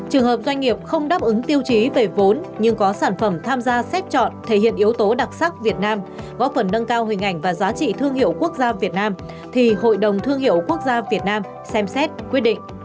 trường hợp doanh nghiệp không đáp ứng tiêu chí về vốn nhưng có sản phẩm tham gia xét chọn thể hiện yếu tố đặc sắc việt nam góp phần nâng cao hình ảnh và giá trị thương hiệu quốc gia việt nam thì hội đồng thương hiệu quốc gia việt nam xem xét quyết định